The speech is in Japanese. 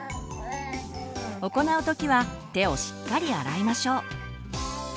行う時は手をしっかり洗いましょう。